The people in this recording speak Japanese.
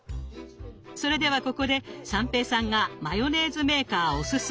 それではここで三平さんがマヨネーズメーカーおすすめ！